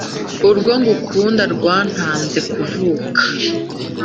urwo ngukunda rwantanze kuvuka